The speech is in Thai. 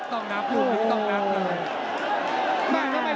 ตามต่อยกที่สองครับ